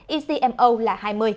ecmo là hai mươi